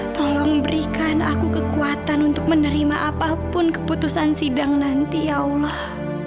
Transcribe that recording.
tolong berikan aku kekuatan untuk menerima apapun keputusan sidang nanti ya allah